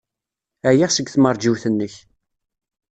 Ɛyiɣ seg tmeṛjiwt-nnek.